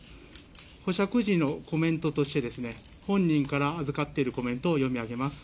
保釈時のコメントとして、本人から預かっているコメントを読み上げます。